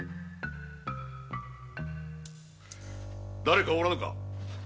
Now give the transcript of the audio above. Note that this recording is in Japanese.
だれかおらぬか。